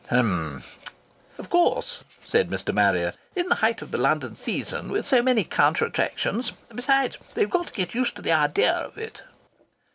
"Hem!" "Of course," said Mr. Marrier, "in the height of the London season, with so many counter attractions ! Besides, they've got to get used to the idea of it."